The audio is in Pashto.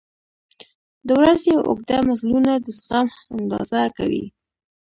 • د ورځې اوږده مزلونه د زغم اندازه کوي.